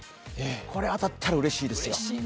これは当たったらうれしいですよ。